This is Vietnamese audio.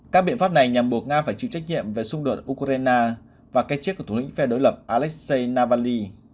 các biện pháp này nhằm buộc nga phải chịu trách nhiệm về xung đột ukraine và cái chết của thủ lĩnh phe đối lập alexei nabali